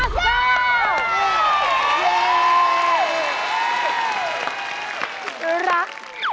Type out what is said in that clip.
แล้วใส่ค่ะ